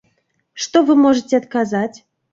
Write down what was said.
Што вы можаце адказаць?